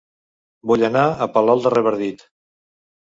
Vull anar a Palol de Revardit